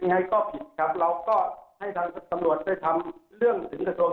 เพลงกล้ายก็ผิดครับเราก็ให้ทางสำหรับสำหรัฐไปทำเรื่องถึง